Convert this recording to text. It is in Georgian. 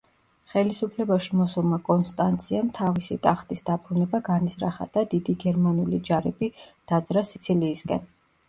ხელისუფლებაში მოსულმა კონსტანციამ თავისი ტახტის დაბრუნება განიზრახა და დიდი გერმანული ჯარები დაძრა სიცილიისკენ.